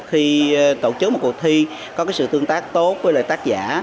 khi tổ chức một cuộc thi có sự tương tác tốt với lại tác giả